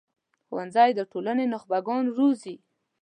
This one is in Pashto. ښوونځی د ټولنې نخبه ګان روزي